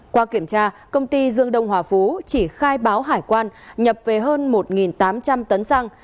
qua kiểm tra công ty dương đông hòa phú chỉ khai báo hải quan nhập về hơn một tám trăm linh tấn xăng